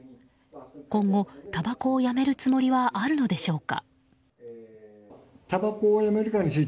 今後、たばこをやめるつもりはあるのでしょうか。